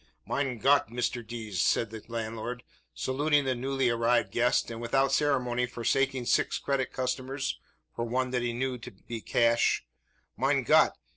"Mein Gott, Mishter Dees!" said the landlord, saluting the newly arrived guest, and without ceremony forsaking six credit customers, for one that he knew to be cash. "Mein Gott!